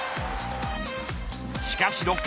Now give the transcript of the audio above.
しかし６回。